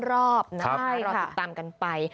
รอติดตามกันไป